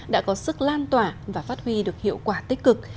đã có sức lan tỏa và phát huy được hiệu quả tích cực